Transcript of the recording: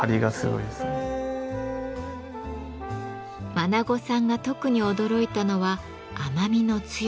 眞砂さんが特に驚いたのは甘みの強さ。